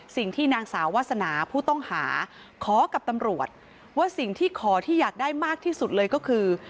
สิ่งที่นางสาววาสนาผู้ต้องหาขอกับตำรวจว่าสิ่งที่ขอที่อยากได้มากที่สุดเลยก็คือ